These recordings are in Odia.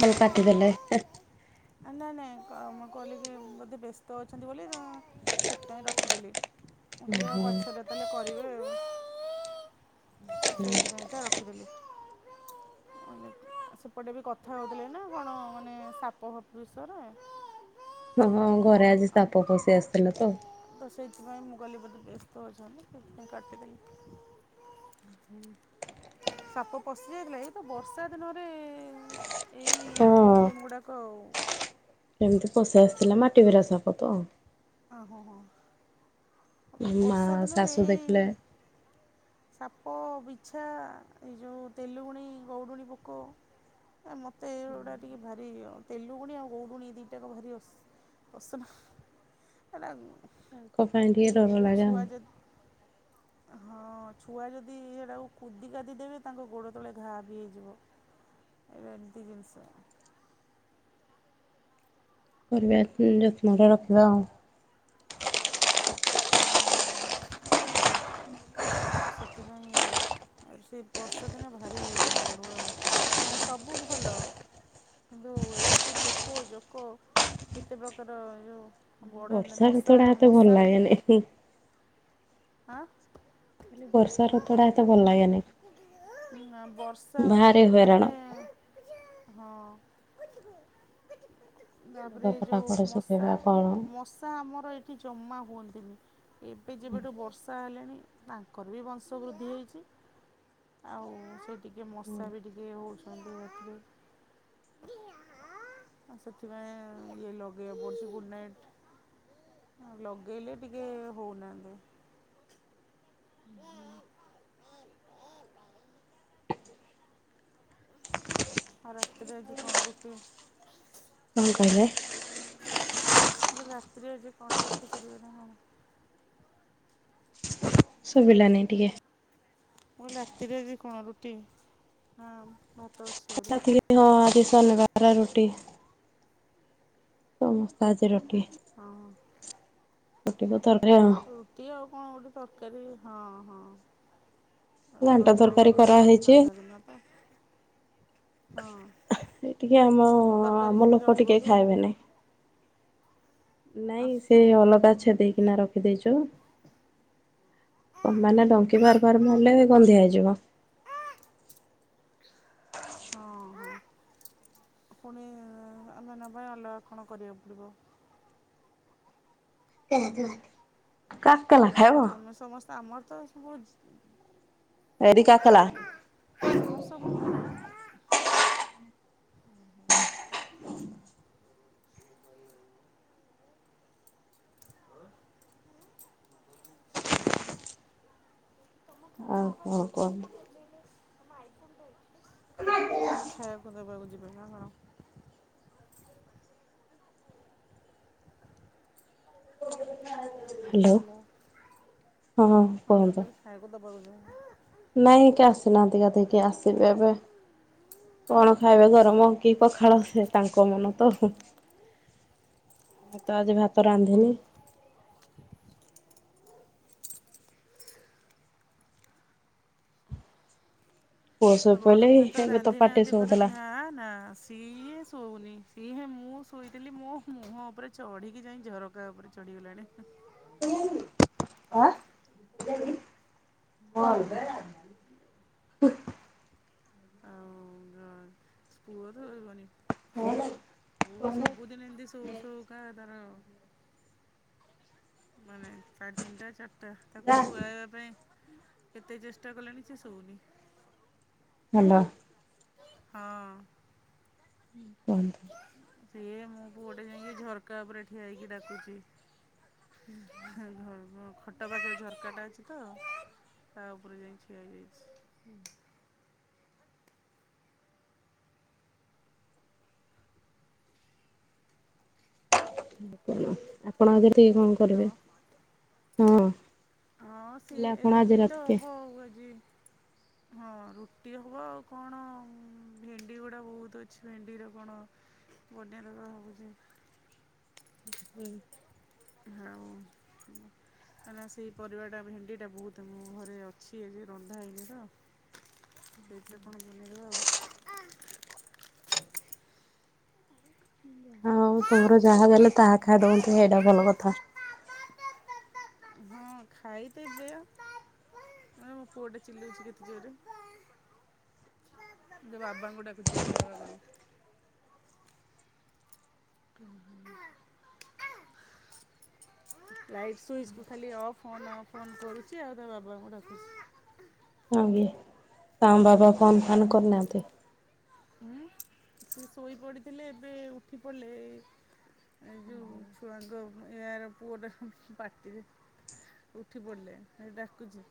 କଲ୍ କାଟିଦେଲେ [unintelligible] ଆ ନାଇଁ-ନାଇଁ କ ମୁଁ କହିଲି କି ବୋଧେ ବ୍ୟସ୍ତ ଅଛନ୍ତି ବୋଲି ତ ସେଥିପାଇଁ ରଖିଦେଲି। ମୁଁ କଇଲି ଆଉ ପଛେରେ [unintelligible] କରିବେ ସେଇଥିପାଇଁକା ରଖିଦେଲି। ଗୋଟେ ବି କଥା ହେଉଥିଲେ ନା କଣ ମାନେ ସାପ ଫାପ ବିଷୟରେ। ହଁଁ-ହଁ ଘରେ ଆଜି ସାପ ପଶି ଆସିଥିଲା ତ। ତ ସେଇଥିପାଇଁ ମୁଁ କଇଲି ବୋଧେ ବ୍ୟସ୍ତ ଅଛନ୍ତି ସେଥିପାଇଁ କାଟିଦେଲି। ହୁଁ ସାପ ପଶିଯାଇଥିଲା ଏଇ ତ ବର୍ଷା ଦିନରେ ଏଇ ପ୍ରୋବ୍ଲେମ୍ ଗୁଡ଼ାକ ଆଉ। ସେମ୍ତି ପଶି ଆସିଥିଲା ମାଟି [unintelligible] ସାପ ତ। [unintelligible] [unintelligible] ମା ବର୍ଷା ଦିନରେ ଶାଶୁ ଏଇ ଦେଖିଲେ ସାପ ବିଛା ଏଇ ଯୋଉ ତେଲୁଗୁଣି ଗଉଡ଼ୁଣି ପୋକ ଆ ମୋତ ଏୁଗୁଡ଼ା ଟିକେ ଭାରି ତେଲୁଗୁଣି ଆଉ ଗଉଡ଼ୁଣି ଏଇ ଦିଟାକ ଭାରି ଅ ଅସନା [unintelligible] ତାଙ୍କ ପାଇଁ ଟିକେ ଡର। କି ଲାଗେ ଆଉ। ଛୁଆ ଯ ହଁ, ଛୁଆ ଯଦି ସେଇଟାକୁ କୁଦି କାଦି ଦେବେ ତାଙ୍କ ଗୋଡ଼ ତଳେ ଘା ବି ହେଇଯିବ। ଏବେ ଏମ୍ତି ଜିନଷ। କରିବା ଯତ୍ନରେ ରଖିବା ଆଉ। ହଁ ତ ସେଥିପାଇଁ ସେ ବର୍ଷା ଦିନେ ଭାରି ଅଡ଼ୁଆ ଆଉ। ମାନେ ସବୁ ଭଲ। କିନ୍ତୁ ଏଇ ଯୋଉ ପୋକ ଜୋକ କେତେ ପ୍ରକାର ଏଯୋଉ ବଢ଼ନ୍ତି ବର୍ଷା ଋତୁଟା ମଶାର ଏତେ ଭଲ ମଶା ବି, ଲାଗେନି। ଖାଲି ଆଁ [unintelligible] ବର୍ଷା ଋତୁ ଟା ଏତେ ଭଲ୍ ଲାଗେନି। ନାଁ ବର୍ଷା ଭାରି ହଇରାଣ। ତାପରେ ହଁ। ତାପରେ ଲୁଗାପଟା ଏଯୋଉ କୁଆଡେ ଶୁଖେଇବା କଣ ମଶା-ମଶା ଆମର ଏ କି ଜମା ହୁଅନ୍ତିନି, ଏବେ ଯେବେଠୁ ବର୍ଷା ହେଲାଣି ତାଙ୍କର ବି ବଂଶ ବୃଦ୍ଧି ହେଇଚି, ଆଉ ସେ ଟିକେ ମଶା ବି ଟି କେ ହଉଛନ୍ତି ରାତିରେ। [inaudible] ଆଉ ସେଥିପାଇଁ ଇଏ ଲଗେଇବାକୁ ପଡ଼ୁଛି ଗୁଡ଼୍ ନାଇଟ୍। ଆଉ ଲଗେଇଲେ ଟିକେ ହଉନାହାନ୍ତି। ହୁଁ-ହୁଁ। ଆଉ ରାତିରେ ଆଜି କଣ ରୁଟି? କଣ କହିବେ? ମୁଁ କହିଲି ରାତିରେ ଆଜି କଣ ରୁଟି କରିବେ ନା କଣ? ଶୁଭିଲାନି ଟିକେ। ମୁଁ କହିଲି ରାତିରେ ଆଜି କଣ ରୁଟି ନା ଭାତ ଅଛି ବୋଲି [unintelligible] ହଁ ଆଜି ଶନିବାର ରୁଟି ସମସ୍ତେ ଆଜି ରୁଟି। ହଁ। ରୁଟି କୁ ତରକାରୀ ଆଉ। ରୁଟି ଆଉ କଣ ଗୋଟେ ତରକାରୀ ହଁ ହଁ। ଘାଣ୍ଟ କରିଦେଲେ ତରକାରୀ ଗଲା ଆଉ କରାହେଇଛି। ସାଧା ଦିନ ତ ହଁ। ସେ ଟିକେ ଆମ ତରକାରୀ ଆମ ଯଦି ଲୋକ ରହିବ ଟିକେ ବି ଖାଇବେନି। ନାଇଁ ସେ ଅଲଗା ଅଛା ଦେଇକିନା ରଖିଦେଇଛୁ। କ ମାନେ ଡଙ୍କି ବାରବାର ମାରିଲେ ଗନ୍ଧିଆ ହେଇଯିବ। ହଁ ପୁଣି ଆମେ ନେବା ଅଲଗା କଣ କରିବାକୁ ପଡ଼ିବ। [inaudible] କା କା ଆମେ ସମସ୍ତେ ଆମର ତ ସବୁ ହେରି କାକଲା। ମୋର ସବୁ [unintelligible] [inaudible] ତମ [unintelligible] ଭାଇ [unintelligible] ଖାଇବାକୁ ଦେବାକୁ ଯିବେ ନା କଣ। [inaudible] ହ୍ୟାଲୋ ହଁ ମୁଁ କହିଲେ ଖାଇକୁ ଦବାକୁ ଯିବେ। ନାଇଁ କିଏ ଆସିନାହାନ୍ତି ଗାଧେଇକି ଆସିବେ ଏବେ। କଣ ଖାଇବେ ଗରମ କି ପଖାଳ ସେ ତାଙ୍କ ମନ ତ। ମୁଁ ତ ଆଜି ଭାତ ରାନ୍ଧିନି। ପୁଅ ତ ଶୋଇପଇଲେ ଗରମ ଭାତ ଏବେ ତ ରାନ୍ଧି ପାଟି ନାହନ୍ତି ପରା ଶୋଉଥିଲା। ନା ନା ସ୍ ସିଏ ଶୋଉନି ସିଏ ମୁଁ ଶୋଇଥିଲି ମୋ ମୁହଁ ଉପରେ ଚଢ଼ିକି ଯାଇ ଝରକା ଉପରେ ଚଢି ଗଲାଣି। [inaudible] ଆଉ [unintelligible] [unintelligible] ପୁଅ ସବୁଦିନ ଏମିତି ସୋଉ ସୋଉକା ତାର ମାନେ ସାଢେ ତିନିଟା ଚାରିଟା ତାକୁ ଶୁଆଇବା ପାଇଁ କେତେ ଚେଷ୍ଟା କଲାଣି ସେ ସୋଉନି। ହ୍ୟାଲୋ। ହଁ। କୁହନ୍ତୁ। ସିଏ ମୋ ପୁଅଟା ଯାଇଁକି‌ ଝରକା ଉପରେ ଠିଆ ହେଇକି ଡାକୁଚି। [unintelligible] ଟ ପାଖେରେ ଝରକାଟା ଅଛିତ ତା ଉପରେ ଯାଇିଁକି ଠିଆହେଇଯାଇଚି। ହୁଁ ଆଉ କଣ ଆପଣ ଆଗରେ [inaudible] ହ୍ୟାଲୋ କରିବେ ହଁ। ହଁ ସି କହିଲେ ଏ ଆପଣ ଆଜି ରୁଟି ତ ରାତିକେ ହବ ଆଉ ଆଜି। ହଁ ରୁଟି ହବ ଆଉ କଣ ଭେଣ୍ଡି ଗୁଡା ବହୁତ୍ ଅଛି ଭେଣ୍ଡିର କଣ ବନେଇଦବା ଭାବୁଚି। ହୁଁ। ହଉ କୁଅ। କାହିଁନା ସେଇ ପରିବାଟା ଭେଣ୍ଡି ଟା ବହୁତ୍ ମୁଁ ଘରେ ଅଛି ଏଯାଏଁ ରନ୍ଧା ହେଇନି ତ। ସେଇଥିରେ କଣ ବନେଇଦବା ଆଉ। ଆଉ ତମର ଯାହା ଦେଲେ ତାହା ଖାଇଦଅନ୍ତି ହେଇଟା ଭଲକଥା। ହଁ ଖାଇଦେବେ ଅନା ମୋ ପୁଅଟା ଚିଲୋଉଚି କେତେ ଜୋରେ। ତା ବାବାଙ୍କୁ ଡାକୁଚି ବାବା ବାବା କରିକି। ହୁଁ ହୁଁ। ଲାଇଟ୍ ସୁଇଚ୍ କୁ ଖାଲି ଅଫ୍ ଅନ୍ ଅଫ୍ ଫନ୍ କରୁଚି ଆଉ ତା ବାବାଙ୍କୁ ଡାକୁଚି। ହଁ କି, ତାଙ୍କ ବାବା ଫୋନ ଫାନ୍ କରିନାହାନ୍ତି? ଉଁ ସେ ଶୋଇ ପଡିଥିଲେ ଏବେ ଉଠି ପଡିଲେ ଏ ଏଇ ଯୋଉ ଛୁଆଙ୍କ ମ ଏଆର ପୁଅଟାର କି ପାଟିରେ ଉଠି ପଡିଲେ ହେଇ ଡାକୁଚି।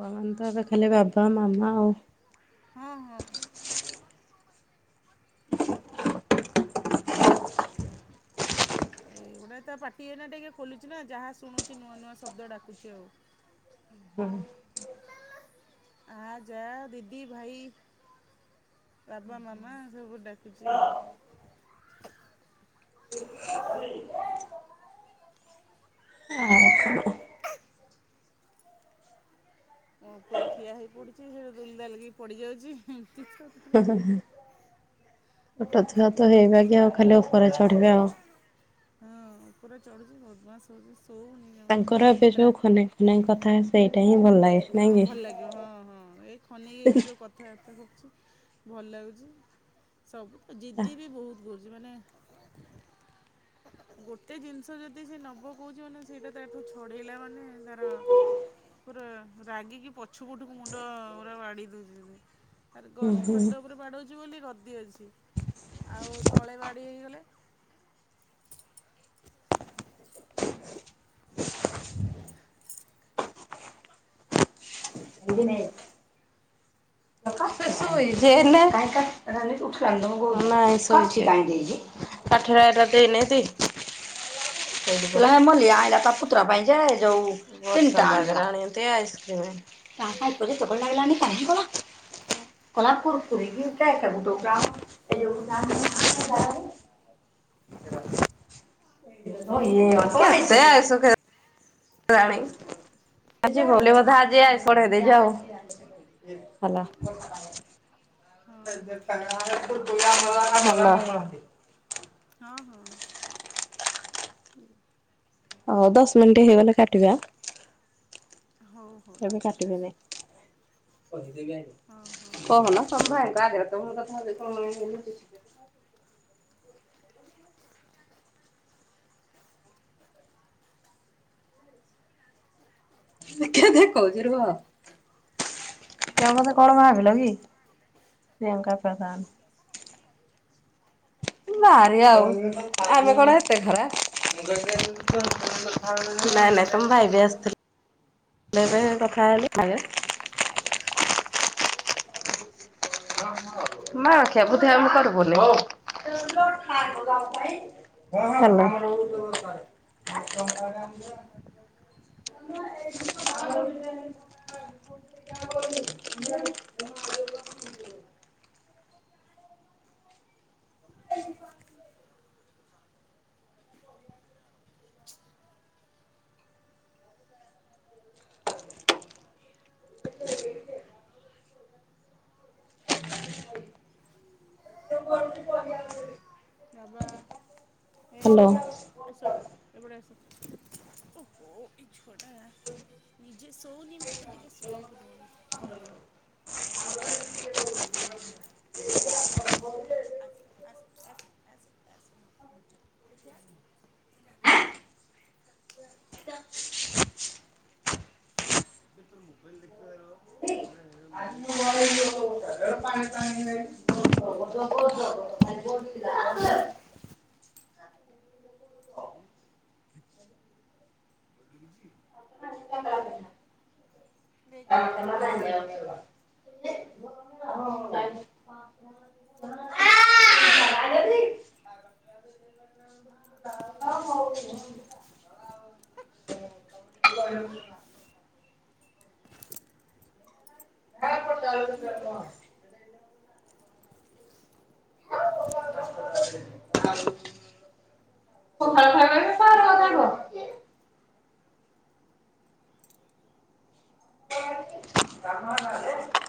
ଛୁଆ ମାନେତ ଏବେ ଖାଲି ବାବା ମାମା ଆଉ। ହଁ ହଁ। ଏଇଗୁଡା ତା ପାଟି ଏଇନା ଟିକେ ଖୋଲୁଚି ନା ଯାହା ଶୁଣୁଚି ନୂଆ ନୂଆ ଶବ୍ଦ ଡାକୁଚି ଆଉ। ହୁଁ। ଆ ଯା ଦିଦି ଭାଇ ବାବା ମାମା ସବୁ ଡାକୁଚି ଆଉ। [unintelligible] ଆଉ କଣ। ଅଁ ଉପରେ ଠିଆ ହେଇ ପଡୁଚି ହେଠୁ ଦୁଲ୍ ଦାଲକି ପଡିଯାଉଚି ଏମତି ତ ଆଉ। ତାର ହେଁ ହେଁ ହେଁ ଛୋଟ ଛୁଆ ତ ହେଇ ବାଗିଆ ଆଉ ଖାଲି ଓପରେ ଚଢିବେ ଆଉ। ହଁ ଉପରେ ଚଢୁଚି ବଦମାସ୍ ହଉଚି ଶୋଉନି। ଜମା ତାଙ୍କର ଏବେ ରା ଯୋଉ ଖନେଇ ଖନେଇ କଥା ସେଇଟା ହିଁ ଭଲ ଲାଗେ। ହଁ ନାଇଁ କି ଭଲ ଲାଗିବ ହଁ ହଁ ଏଇ ଖନେଇକି ଏବେ ଯୋଉ କଥ୍ ଥାବାର୍ତା କରୁଚି ଭଲ ଲାଗୁଚି ସବୁତ ଜିଦି ବି ବହୁତ୍ କରୁ ଚି ମାନେ ଗୋଟେ ଜିନିଷ ଯଦି ସେ ନବ କହୁଚି ମାନେ ସେଇଟା ତାଠୁ ଛଡେଇଲା ମାନେ ତାର ପୁରା ରାଗିକି ପ ଛୁଠୁକୁ ମୁଣ୍ଡ ପୁରା ବାଡେଇ ଦଉଚି। ଆରେ ଗଦ୍-ଖଟ ଉପରେ ବାଡୋଉଚି ବୋଲି ଗଦି ଅଛି ଛି ଆଉ ତଳେ ବାଡେଇ ହେଇଗଲେ! [inaudible] ଶୁଭୁନି। [unintelligible] ପାଠର ଏଟା ଦେଇନାହାନ୍ତି। [unintelligible] କାହା ପରେ ସବଳ ଲାଗିଲଣି କାହିଁ ପରା। କୋଲାପର [unintelligible] [unintelligible] [unintelligible] ଭଲ। ହଁ [inaudible] ହଁ ହଁ। ହଉ ଦଶ ମିଣ୍ଟି ହେଇଗଲେ କାଟିବା। ହଁ। ଏବେ କାଟିବେ ନାଇ। ହଁ ହଁ। କହୁନ ତମ ଭାଇ ଙ୍କ ଆଗରେ [unintelligible] ହ ଦେଖେ ଦେଖଉଚି ରୁହ। ତମେ ମତେ କଣ ଭାବିଲ କି ପ୍ରିୟଙ୍କା ପ୍ରଧାନ। ଭାରି ଆଉ ଆମେ କଣ ଏତେ ଖରାପ। ନାଇଁ ନାଇଁ ତମ ଭାଇ ବି ଆସିଥିଲେ ଏବେ କଥା ହେଲି [inaudible] ମା ଆଖିଆ [unintelligible] ହାଲୋ। ଆ [inaudible] [inaudible] [inaudible] [inaudible] ବାବା ଏଇ ବାବା ଆସ। ଏପଟେ ଆସ ଓହୋ। ଛୁଆ ଟା ନିଜେ ଶଉନି ମତେ ଟିକେ ଶୋଏଆକୁ ଦଉନି। [unintelligible] ଆସ ଆସ ଆସ ଆସ ଆସ ଏଇ [unintelligible] ସେ ତୋର ମୋବାଇଲ। ରିପେଆର। ହଁ [unintelligible] [unintelligible] ପାଣି ପାଣି [unintelligible] [unintelligible] ଦେ କ୍ଲିପ୍ ଦେ [unintelligible] କି ଲଗେଇବା। ହଁ ହଉ। ଜ [inaudible] [unintelligible] [unintelligible] ଆଉ। [unintelligible] [unintelligible]